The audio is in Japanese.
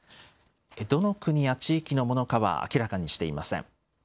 どの国や地域のものかは明らかにしていません。